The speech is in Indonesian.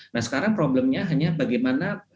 nah sekarang problemnya hanya bagaimana